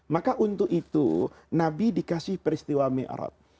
maka untuk itu nabi dikasih peristiwa mi'rat